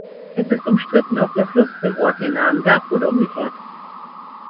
Es ist umstritten, ob der Fluss dem Ort den Namen gab oder umgekehrt.